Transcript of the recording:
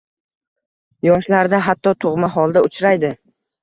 Yoshlarda hatto tug‘ma holda uchraydi.